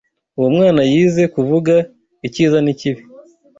Uwo mwana yize kuvuga icyiza n'ikibi.